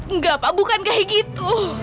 enggak pak bukan kayak gitu